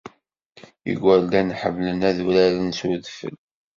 Igerdan ḥemmlen ad uraren s udfel.